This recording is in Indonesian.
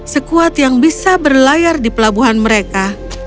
sekuat yang bisa berlayar di pelabuhan mereka